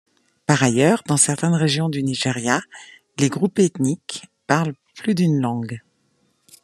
Par ailleurs, dans certaines régions du Nigeria, les groupes ethniques parlent plus d'une langue.